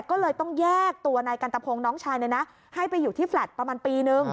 ก็เลยต้องแยกตัวนายกันตะพงศ์น้องชายให้ไปอยู่ที่แฟลต์ประมาณปีนึง